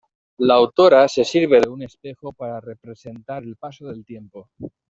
La autora se sirve de un espejo para representar el paso del tiempo.